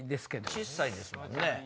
小っさいですもんね。